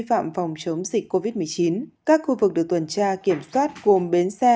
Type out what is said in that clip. phạm phòng chống dịch covid một mươi chín các khu vực được tuần tra kiểm soát gồm bến xe